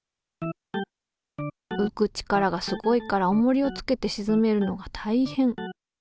浮く力がすごいからおもりをつけてしずめるのがたいへん。